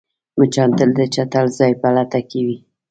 مچان تل د چټل ځای په لټه کې وي